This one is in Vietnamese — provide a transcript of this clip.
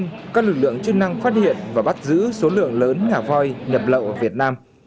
trước đó là lần đầu tiên lực lượng chức năng phát hiện và bắt giữ số lượng lớn ngả voi nhập lậu ở việt nam